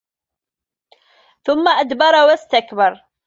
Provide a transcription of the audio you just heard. ثُمَّ أَدبَرَ وَاستَكبَرَ